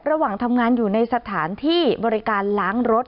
ระหว่างทำงานอยู่ในสถานที่บริการล้างรถ